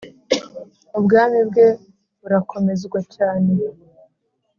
ubwami bwe burakomezwa cyane.